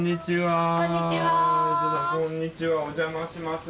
お邪魔します。